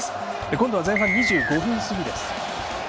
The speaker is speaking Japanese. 今度は前半２５分過ぎです。